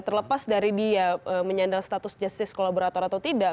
terlepas dari dia menyandang status justice kolaborator atau tidak